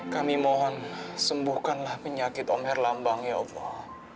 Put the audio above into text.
kami mohon sembuhkanlah penyakit omer lambang ya allah